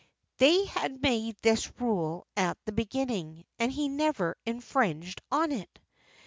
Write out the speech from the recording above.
They had made this rule at the beginning, and he never infringed on it.